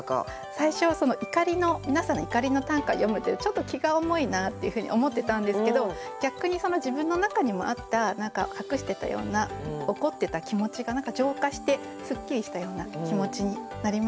最初は皆さんの怒りの短歌を読むってちょっと気が重いなっていうふうに思ってたんですけど逆にその自分の中にもあった隠してたような怒ってた気持ちが浄化してすっきりしたような気持ちになりました。